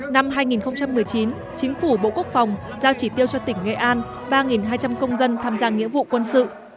năm hai nghìn một mươi chín chính phủ bộ quốc phòng giao chỉ tiêu cho tỉnh nghệ an ba hai trăm linh công dân tham gia nghĩa vụ quân sự